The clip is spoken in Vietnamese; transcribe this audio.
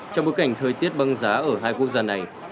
trong bối cảnh thời tiết băng giá ở hai quốc gia này